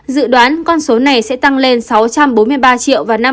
dự đoán con số này sẽ tăng lên sáu trăm bốn mươi ba triệu vào năm hai nghìn hai mươi